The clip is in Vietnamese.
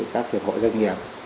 các huyện hội doanh nghiệp